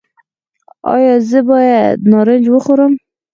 ایا زه باید نارنج وخورم؟